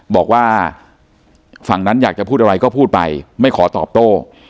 บอกว่าฝั่งนั้นอยากจะพูดอะไรก็พูดไปไม่ขอตอบโต้